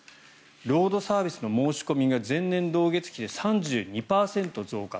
ロードサービスの申し込みが前年同月比で３２％増加